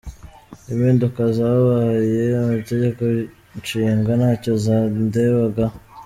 Impinduka zabaye mu Itegeko Nshinga ntacyo zandebagaho.